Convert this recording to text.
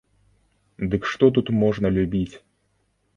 Дык што тут можна любіць?